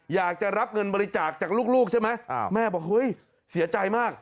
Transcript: อยากจะรับเงินบริจาคจากลูกใช่ไหมแม่บอกเฮ้ยเสียใจมาก